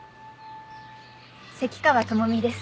関川朋美です。